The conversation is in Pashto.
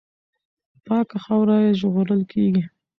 پاکه خاوره یې ژغورل کېږي.